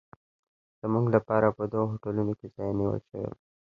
زموږ لپاره په دوو هوټلونو کې ځای نیول شوی و.